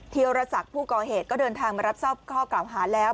เทียวระสักผู้ก่อเหตุก็เดินทางมารับเศร้าข้อกล่าวหาแล้ว